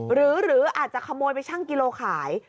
หรืออาจจะขโมยไปชั่งกิโลขาย